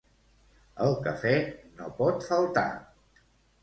El cafè no pot faltar.